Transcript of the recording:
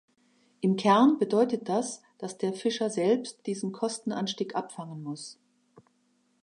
Im Kern bedeutet das, dass der Fischer selbst diesen Kostenanstieg abfangen muss.